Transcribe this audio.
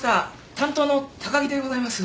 担当の高木でございます。